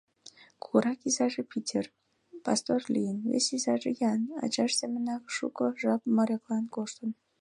Кугурак изаже, Питер, пастор лийын; вес изаже, Ян, ачаж семынак шуко жап моряклан коштын.